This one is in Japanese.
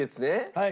はい。